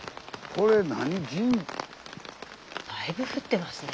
スタジオだいぶ降ってますね。